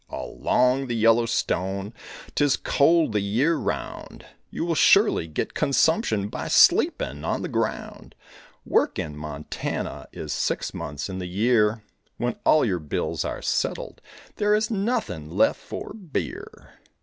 All along the Yellowstone 'Tis cold the year around; You will surely get consumption By sleeping on the ground. Work in Montana Is six months in the year; When all your bills are settled There is nothing left for beer.